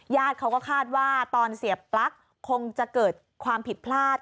เขาก็คาดว่าตอนเสียปลั๊กคงจะเกิดความผิดพลาด